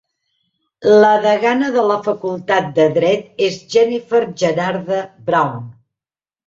La degana de la facultat de Dret és Jennifer Gerarda Brown.